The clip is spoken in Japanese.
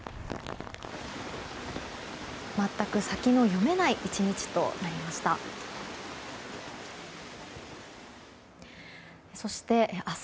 全く先の読めない１日となりました。